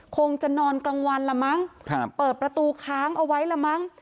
คงจะนอนกลางวันละมั้งเปิดประตูค้างเอาไว้ละมั้ง